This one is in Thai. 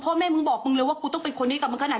แม่มึงบอกมึงเลยว่ากูต้องเป็นคนให้กับมึงขนาด